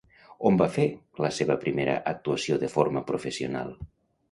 On va fer la seva primera actuació de forma professional?